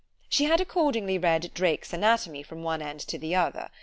She had accordingly read Drake's anatomy from one end to the other.